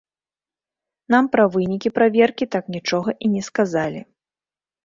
Нам пра вынікі праверкі так нічога і не сказалі.